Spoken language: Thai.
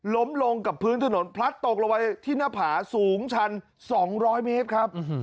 ล้มลงกับพื้นถนนพลัดตกลงไปที่หน้าผาสูงชัน๒๐๐เมตรครับ